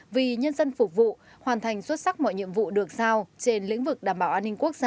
vì nhân dân phục vụ hoàn thành xuất sắc mọi nhiệm vụ được sao trên lĩnh vực đảm bảo an ninh quốc gia